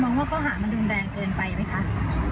มองว่าข้อหามันดุงแรงเกินไปไหมคะอ่า